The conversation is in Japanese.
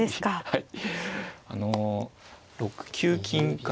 はい。